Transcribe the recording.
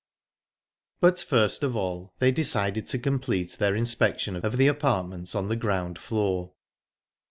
But, first of all, they decided to complete their inspection of the apartments on the ground floor.